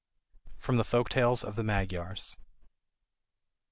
[From the Folk Tales of the Magyars.